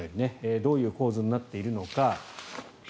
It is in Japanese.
どういう構図になっているのか。